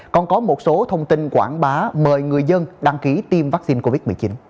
còn có một số thông tin quảng bá mời người dân đăng ký tiêm vaccine covid một mươi chín